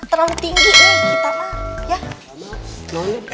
terlalu tinggi ya kita mak